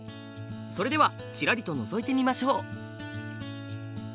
それではちらりとのぞいてみましょう。